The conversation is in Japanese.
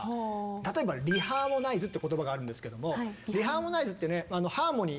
例えばリハーモナイズって言葉があるんですけどもリハーモナイズってねハーモニー